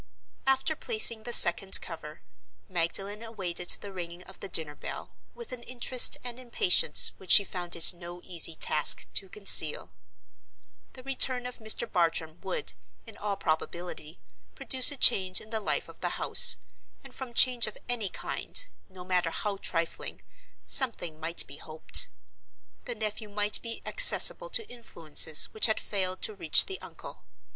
After placing the second cover, Magdalen awaited the ringing of the dinner bell, with an interest and impatience which she found it no easy task to conceal. The return of Mr. Bartram would, in all probability, produce a change in the life of the house; and from change of any kind, no matter how trifling, something might be hoped. The nephew might be accessible to influences which had failed to reach the uncle.